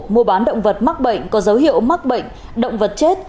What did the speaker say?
mua bán động vật mắc bệnh có dấu hiệu mắc bệnh động vật chết